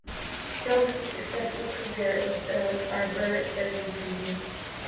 Gerard had a successful career with the Barber-Surgeons' Company.